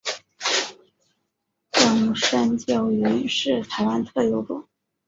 观雾山椒鱼是台湾特有种。